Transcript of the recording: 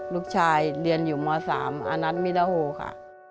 ลูกชายเรียนอยู่ม๓อานัทมิดาโฮค่ะ